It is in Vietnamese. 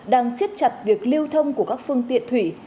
đang siết chặt việc lưu thông của các phương tiện thủy